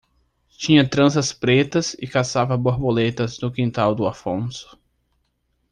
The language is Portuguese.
tinhas tranças pretas e caçavas borboletas no quintal do Afonso.